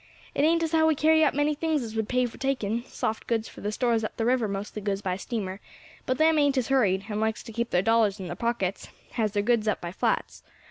It ain't as how we carry up many things as would pay for taking; soft goods for the stores up the river mostly goes by steamer, but them as ain't hurried, and likes to keep their dollars in their pockets, has their goods up by flats.